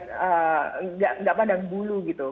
karena kita sudah lihat gak padang bulu gitu